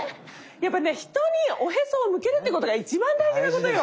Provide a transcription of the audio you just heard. やっぱね人におへそを向けるってことが一番大事なことよ。